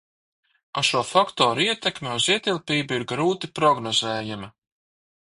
Šo faktoru ietekme uz ietilpību ir grūti prognozējama.